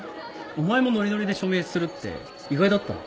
お前もノリノリで署名するって意外だったな。